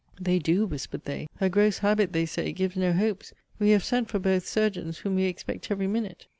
They do, whispered they. Her gross habit, they say, gives no hopes. We have sent for both surgeons, whom we expect every minute.